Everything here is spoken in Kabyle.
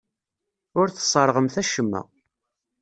Ur tesserɣemt acemma.